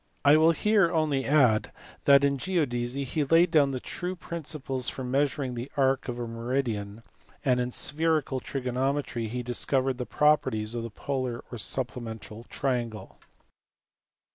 I will here only add that in geodesy he laid down the true principles for measuring the arc of a meridian, and in spherical trigonometry he discovered the properties of the pola/ or supplemental triangle.